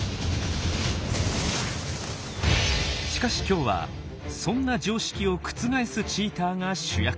しかし今日はそんな常識を覆すチーターが主役。